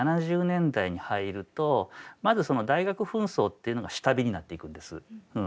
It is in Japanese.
７０年代に入るとまずその大学紛争っていうのが下火になっていくんです。